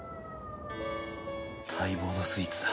待望のスイーツだ。